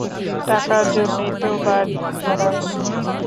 টাকার জন্যেই তো বাড়ি ভাড়া।